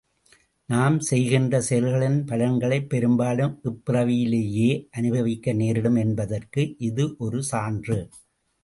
நாம் செய்கின்ற செயல்களின் பலன்களை பெரும் பாலும் இப்பிறவியிலேயே அனுபவிக்க நேரிடும் என்பதற்கு இது ஒரு சான்று.